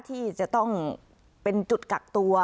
ที่จะต้องเป็นจุดกักตัว